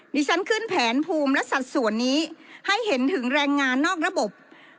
ฉันขึ้นแผนภูมิและสัดส่วนนี้ให้เห็นถึงแรงงานนอกระบบ